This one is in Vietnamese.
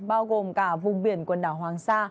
bao gồm cả vùng biển quần đảo hoàng sa